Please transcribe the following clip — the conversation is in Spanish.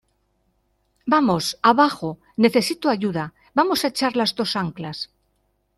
¡ vamos, abajo , necesito ayuda! ¡ vamos a echar las dos anclas !